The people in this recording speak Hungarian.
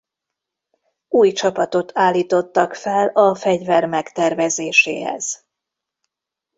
Új csapatot állítottak fel a fegyver megtervezéséhez.